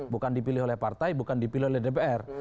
bukan dipilih oleh partai bukan dipilih oleh dpr